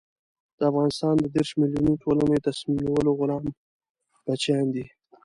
د افغانستان د دېرش ملیوني ټولنې د تصمیم نیولو غلام بچیان دي.